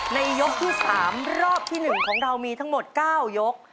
ในยกที่๓รอบที่๑ของเรามีทั้งหมด๙ยก